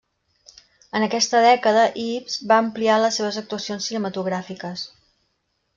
En aquesta dècada Ives va ampliar les seves actuacions cinematogràfiques.